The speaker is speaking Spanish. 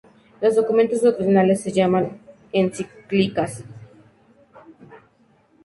Los documentos doctrinales se llaman encíclicas.